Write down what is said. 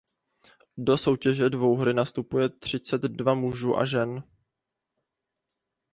Do soutěže dvouhry nastupuje třicet dva mužů a žen.